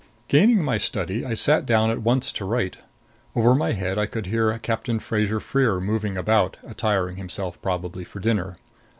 Gaining my study, I sat down at once to write. Over my head I could hear Captain Fraser Freer moving about attiring himself, probably, for dinner.